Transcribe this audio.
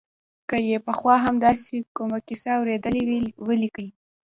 که یې پخوا هم داسې کومه کیسه اورېدلې وي ولیکي.